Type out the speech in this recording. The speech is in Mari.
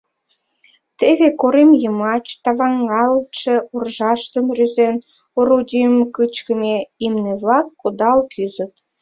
Теве корем йымач, товаҥалтше оржаштым рӱзен, орудийым кычкыме имне-влак кудал кӱзышт.